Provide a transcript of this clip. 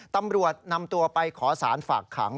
ตำรวจนำตัวไปขอสารฝากขัง